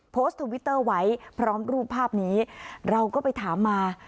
ทวิตเตอร์ไว้พร้อมรูปภาพนี้เราก็ไปถามมา